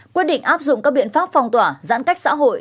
quyết định áp dụng các biện pháp phong tỏa giãn cách xã hội